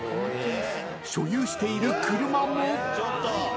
［所有している車も］